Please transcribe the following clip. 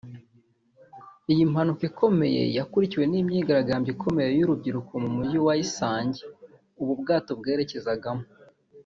Iyi mpanuka ikomeye yakurikiwe n’imyigaragambyo ikomeye y’urubyiruko mu mujyi wa Isangi ubu bwato bwerekezagamo